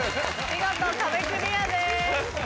見事壁クリアです。